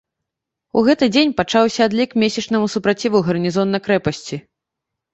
У гэты дзень пачаўся адлік месячнаму супраціву гарнізона крэпасці.